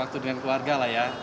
waktu dengan keluarga lah ya